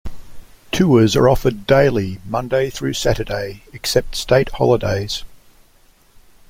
Tours are offered daily Monday through Saturday, except state holidays.